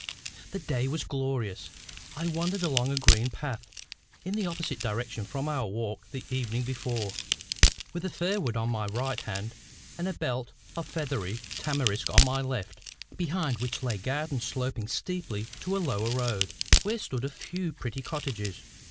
The day was glorious. I wandered along a green path, in the opposite direction from our walk the evening before, with a fir wood on my right hand, and a belt of feathery tamarisks on my left, behind which lay gardens sloping steeply to a lower road, where stood a few pretty cottages.